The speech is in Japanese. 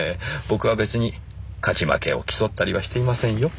僕は別に勝ち負けを競ったりはしていませんよ？